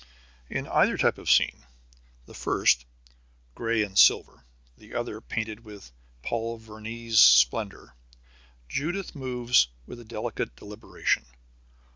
In either type of scene, the first gray and silver, the other painted with Paul Veronese splendor, Judith moves with a delicate deliberation.